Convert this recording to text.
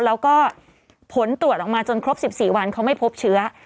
แล้วก็ผลตรวจออกมาจนครบ๑๔วันเขาไม่พบเชื้อ